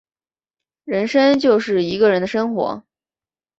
人生就是一个人的生活